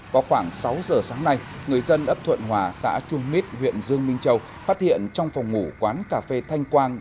vào khoảng sáu giờ sáng nay người dân ấp thuận hòa xã trung mít huyện dương minh châu phát hiện trong phòng ngủ quán cà phê thanh quang